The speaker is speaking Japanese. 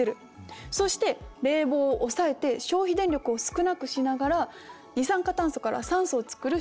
そして冷房を抑えて消費電力を少なくしながら二酸化炭素から酸素を作る植物を増やす。